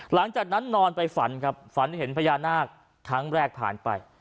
หลังจากนั้นนอนไปฝันครับฝันเห็นพญานาคครั้งแรกผ่านไป